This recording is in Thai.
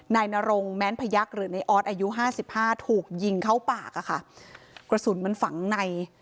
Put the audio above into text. นายนรงแม้นพยักษ์หรือในออสอายุห้าสิบห้าถูกยิงเข้าปากอะค่ะกระสุนมันฝังใน